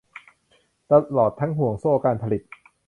ตลอดทั้งห่วงโซ่การผลิต